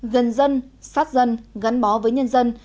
dân dân sát dân gắn bó với nhân dân